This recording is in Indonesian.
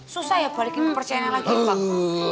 susah ya balikin kepercayaan lagi bang